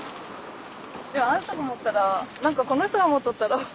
でもあなたが持ったら何かこの人が持っとったら。